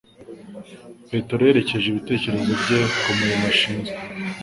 Petero yerekeje ibitekerezo bye kumurimo ashinzwe